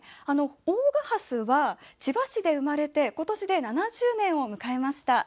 大賀ハスは千葉市で生まれ今年で７０年を迎えました。